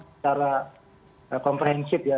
secara komprehensif ya